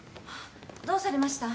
どうされました？